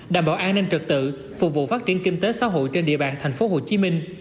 đảm bảo an ninh trực tự phục vụ phát triển kinh tế xã hội trên địa bàn tp hcm